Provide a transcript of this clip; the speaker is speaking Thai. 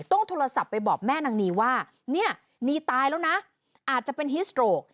ต้องโทรศัพท์ไปบอกแม่นางนีว่าเนี่ยนีตายแล้วนะอาจจะเป็นฮิสโตรก